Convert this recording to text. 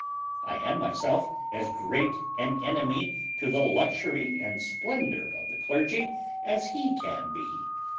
I am, myself, as great an enemy to the luxury and splendour of the clergy as he can be.